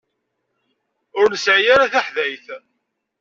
Ur nesɛi ara taḥdayt.